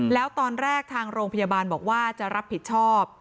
แล้วตอนแรกทางโรงพยาบาลบอกว่าจะรับผิดชอบ